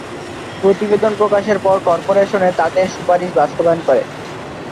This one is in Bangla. প্রতিবেদন প্রকাশের পর কর্পোরেশন তাদের সুপারিশ বাস্তবায়ন করে।